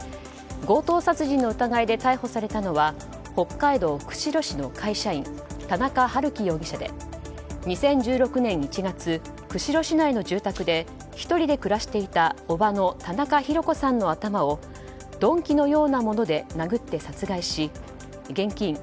強盗殺人の疑いで逮捕されたのは北海道釧路市の会社員田中治樹容疑者で２０１６年１月釧路市内の住宅で１人で暮らしていた叔母の田中弘子さんの頭を鈍器のようなもので殴って殺害し現金